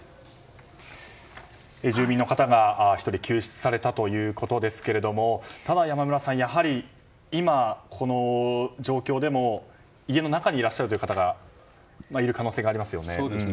住民の方が１人救出されたということですがただ、山村さんやはり今、この状況でも家の中にいらっしゃるという方がいる可能性がありますよね。